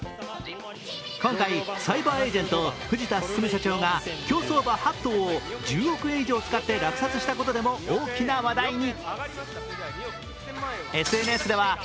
今回、サイバーエージェント藤田晋社長が競走馬８頭を１０億円以上使って落札したことでも大きな話題に。